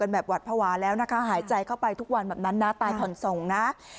แบบหวัดภาวะแล้วนะคะหายใจเข้าไปทุกวันแบบนั้นนะตายผ่อนส่งนะ